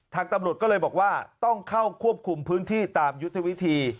ทางตำรวจก็เลยบอกว่าต้องเข้าควบคุมพื้นที่ตามยุทธวิธี